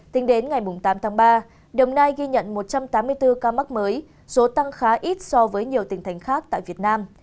tính đến ngày tám tháng ba đồng nai ghi nhận một trăm tám mươi bốn ca mắc mới số tăng khá ít so với nhiều tỉnh thành khác tại việt nam